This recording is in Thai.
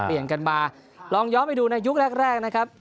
กันมาลองย้อนไปดูในยุคแรกนะครับ